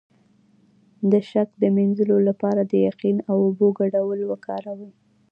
د شک د مینځلو لپاره د یقین او اوبو ګډول وکاروئ